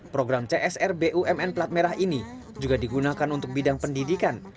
program csr bumn pelat merah ini juga digunakan untuk bidang pendidikan